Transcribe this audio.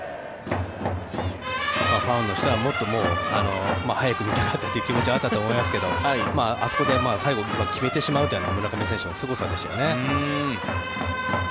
ファンの人はもっと早く見たかったという気持ちはあったと思いますけどあそこで最後、決めてしまうのが村上選手のすごさですよね。